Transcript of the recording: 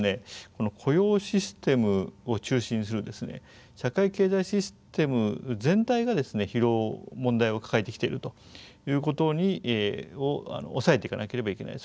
この雇用システムを中心にする社会経済システム全体が疲労問題を抱えてきているということを押さえていかなければいけない。